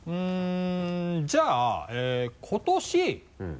じゃあ今年。